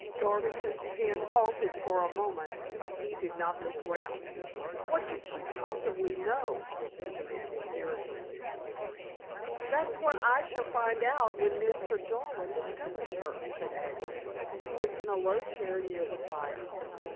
Garvington's pen halted for a moment, but he did not look round. "What can she possibly know?" he demanded irritably. "That's what I shall find out when Mr. Jarwin discovers her," said Agnes, who was in a low chair near the fire.